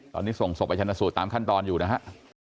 ตอนนี้ส่งศพไปชนะสูตรตามขั้นตอนอยู่นะฮะ